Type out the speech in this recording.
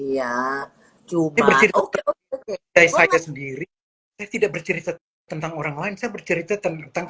ya bercerita dari saya sendiri saya tidak bercerita tentang orang lain saya bercerita tentang